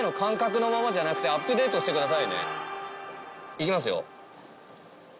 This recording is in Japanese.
行きますよ。